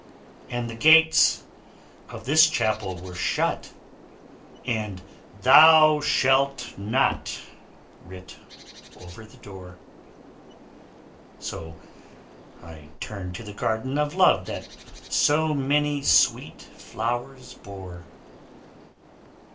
And the gates of this Chapel were shut, And 'Thou shalt not' writ over the door; So I turned to the Garden of Love That so many sweet flowers bore.